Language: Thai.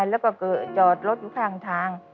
แล้วก็จอดรถอยู่ข้างทาง